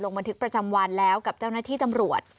บันทึกประจำวันแล้วกับเจ้าหน้าที่ตำรวจ